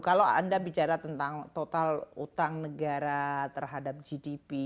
kalau anda bicara tentang total utang negara terhadap gdp